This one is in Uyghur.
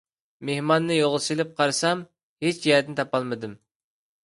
مېھماننى يولغا سېلىپ قارىسام ھېچ يەردىن تاپالمىدىم.